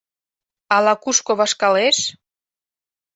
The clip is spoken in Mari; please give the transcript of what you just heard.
Ала-кушко вашкалеш?..